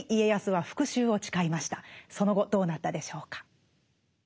その後どうなったでしょうか？